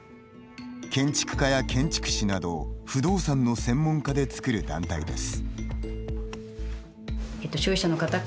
建築家や建築士など不動産の専門家で作る団体です。